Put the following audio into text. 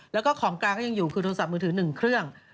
แล้วก็ของกลางก็ยังอยู่คือโทรศัพท์มือถือ๑เครื่อง